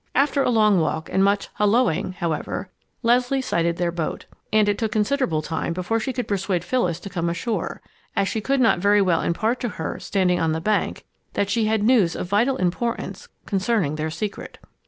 After a long walk and much halloo ing, however, Leslie sighted their boat. And it took considerable time before she could persuade Phyllis to come ashore, as she could not very well impart to her, standing on the bank, that she had news of vital importance concerning their secret.